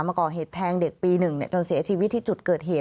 มาก่อเหตุแทงเด็กปี๑จนเสียชีวิตที่จุดเกิดเหตุ